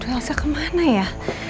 elsa kemana ya